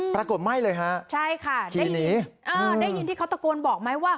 ปรากฏไม่เลยฮะใช่ค่ะได้ยินที่เขาตะโกนบอกไหมว่า